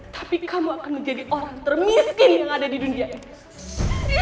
tapi kamu akan menjadi orang termiskin yang ada di dunia ini